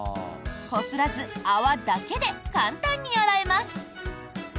こすらず泡だけで簡単に洗えます。